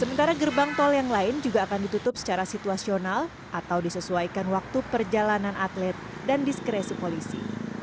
sementara gerbang tol yang lain juga akan ditutup secara situasional atau disesuaikan waktu perjalanan atlet dan diskresi polisi